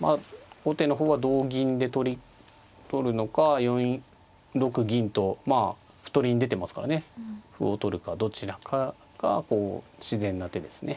後手の方は同銀で取るのか４六銀とまあ歩取りに出てますからね歩を取るかどちらかが自然な手ですね。